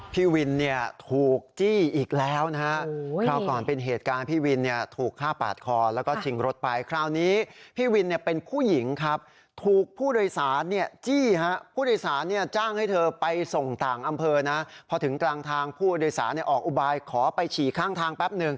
พี่วินเนี่ยถูกจี้อีกแล้วนะฮะคราวก่อนเป็นเหตุการณ์พี่วินเนี่ยถูกฆ่าปาดคอแล้วก็ชิงรถไปคราวนี้พี่วินเนี่ยเป็นผู้หญิงครับถูกผู้โดยสารเนี่ยจี้ฮะผู้โดยสารเนี่ยจ้างให้เธอไปส่งต่างอำเภอนะพอถึงกลางทางผู้โดยสารเนี่ยออกอุบายขอไปฉี่ข้างทางแป๊บหนึ่ง